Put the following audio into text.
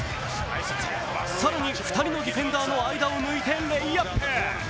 更に、２人のディフェンダーの間を抜いてレイアップ。